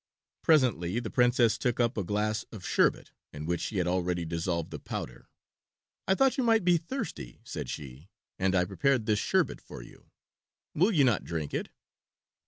Presently the Princess took up a glass of sherbet in which she had already dissolved the powder. "I thought you might be thirsty," said she, "and I prepared this sherbet for you; will you not drink it?"